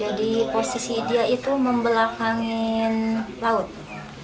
jadi posisi dia itu membelakangin laut